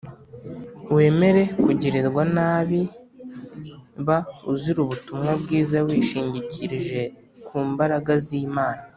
Wemere kugirirwa nabi b uzira ubutumwa bwiza wishingikirije ku mbaraga z imana